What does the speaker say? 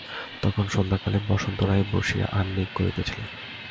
তখন সন্ধ্যাকালে বসন্ত রায় বসিয়া আহ্নিক করিতেছিলেন।